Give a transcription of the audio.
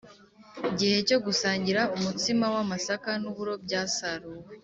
gihe cyo gusangira umutsima w amasaka n uburo byasaruwe